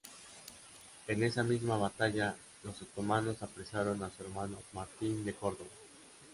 En esa misma batalla los otomanos apresaron a su hermano Martín de Córdoba.